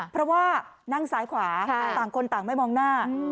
เพราะว่านั่งซ้ายขวาต่างคนต่างไม่มองหน้า